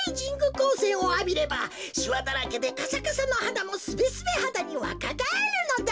こうせんをあびればしわだらけでカサカサのはだもスベスベはだにわかがえるのだ。